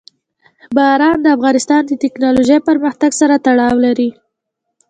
باران د افغانستان د تکنالوژۍ پرمختګ سره تړاو لري.